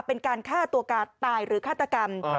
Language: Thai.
ในการฆ่าตัวตายหรือฆาตกรรม